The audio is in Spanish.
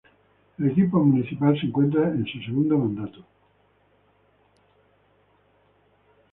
El equipo municipal se encuentra en su segundo mandato.